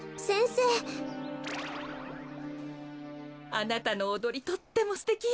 あなたのおどりとってもすてきよ。